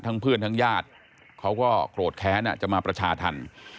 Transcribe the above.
ทั้งเพื่อนทั้งญาติเขาก็โกรธแค้จะมาประชาทัน